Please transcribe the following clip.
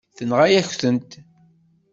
Tenɣa-yak-tent.